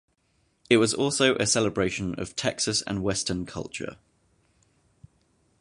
It was also a celebration of Texas and Western culture.